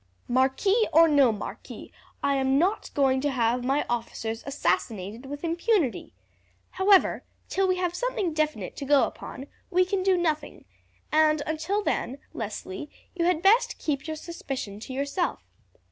Marquis or no marquis, I am not going to have my officers assassinated with impunity. However, till we have something definite to go upon, we can do nothing, and until then, Leslie, you had best keep your suspicion to yourself.